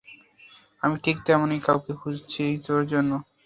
আমি ঠিক তেমনই কাউকে খুঁজছি তোর জন্য।